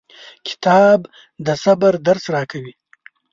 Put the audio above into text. کتاب د صبر درس راکوي.